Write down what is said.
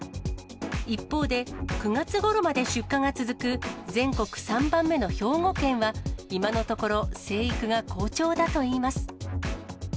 一方で、９月ごろまで出荷が続く全国３番目の兵庫県は、今のところ生育が好調だといいます。